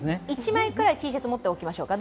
１枚くらいＴシャツ持っておきましょうか？